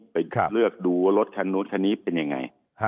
ไปเลือกดูว่ารถคันนู้นคันนี้เป็นยังไง